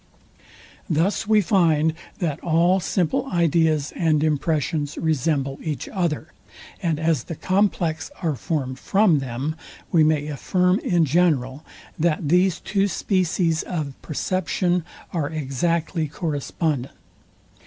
Thus we find, that all simple ideas and impressions resemble each other; and as the complex are formed from them, we may affirm in general, that these two species of perception are exactly correspondent.